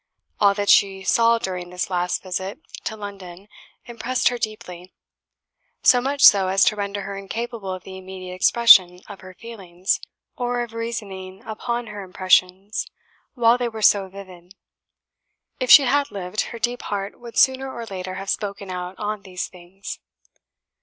All that she saw during this last visit to London impressed her deeply so much so as to render her incapable of the immediate expression of her feelings, or of reasoning upon her impressions while they were so vivid. If she had lived, her deep heart would sooner or later have spoken out on these things.